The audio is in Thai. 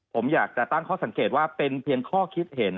ผมอยากจะตั้งข้อสังเกตว่าเป็นเพียงข้อคิดเห็น